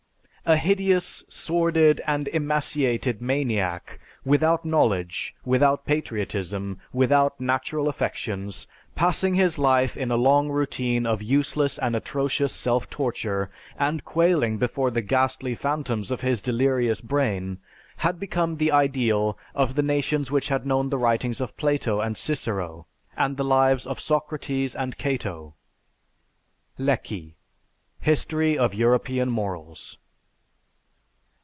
A hideous, sordid, and emaciated maniac, without knowledge, without patriotism, without natural affections, passing his life in a long routine of useless and atrocious self torture, and quailing before the ghastly phantoms of his delirious brain, had become the ideal of the nations which had known the writings of Plato and Cicero, and the lives of Socrates and Cato." (_Lecky: "History of European Morals."